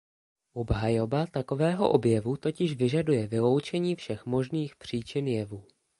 Obhajoba takového objevu totiž vyžaduje vyloučení všech možných příčin jevu.